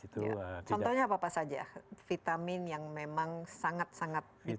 contohnya apa apa saja vitamin yang memang sangat sangat diperlukan